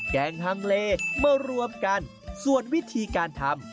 แกงฮังเลมารวมกันส่วนวิธีการทำ